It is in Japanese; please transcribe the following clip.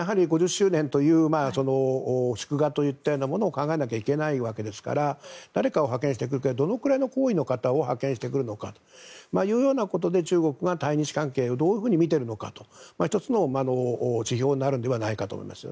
５０周年といった祝賀というようなことを考えなきゃいけないので誰かを派遣してくるかどれくらいの高位の方を派遣してくるのかというようなことで中国は対日関係をどのように見ているのかの指標になると思います。